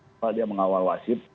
soalnya dia mengawal wasit